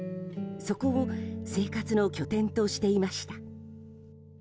そこを生活の拠点としていました。